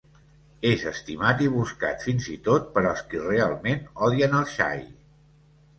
És estimat i buscat, fins i tot per als qui realment odien el xai.